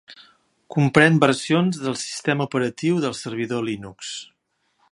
Comprèn versions del sistema operatiu del servidor Linux